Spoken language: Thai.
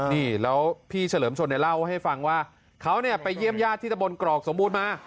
นี่แล้วพี่เฉลิมชนเนี่ยเล่าให้ฟังว่าเขาเนี่ยไปเยี่ยมญาติที่ตะบนกรอกสมบูรณ์มา